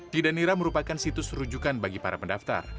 tidanira merupakan situs rujukan bagi para pendaftar